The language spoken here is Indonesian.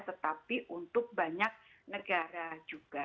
tetapi untuk banyak negara juga